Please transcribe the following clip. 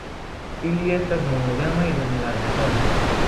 Ili estas monogamaj dum la sezono.